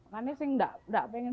makannya sih nggak pengen